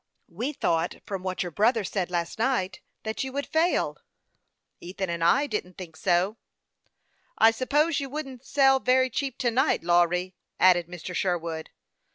" We thought, from what your brother said last night, that you would fail." " Ethan and I didn't think so." " I suppose you wouldn't sell very cheap to night, Lawry," added Mr. Sherwood.